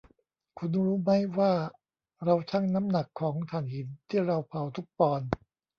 คุณรู้มั้ยว่าเราชั่งน้ำหนักของถ่านหินที่เราเผาทุกปอนด์